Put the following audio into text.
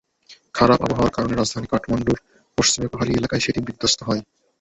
খারাপ আবহাওয়ার কারণে রাজধানী কাঠমান্ডুর পশ্চিমে পাহাড়ি এলাকায় সেটি বিধ্বস্ত হয়।